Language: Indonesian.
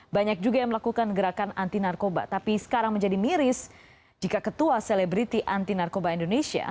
banyak juga yang melakukan gerakan anti narkoba tapi sekarang menjadi miris jika ketua selebriti anti narkoba indonesia